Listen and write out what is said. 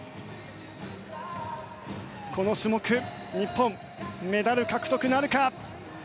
この種目、日本メダル獲得なるか。